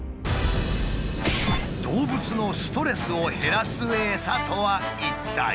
動物のストレスを減らすエサとは一体？